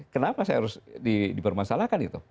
kenapa saya harus dipermasalahkan itu